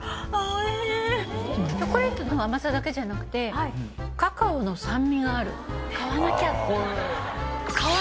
チョコレートの甘さだけじゃなくてカカオの酸味がある。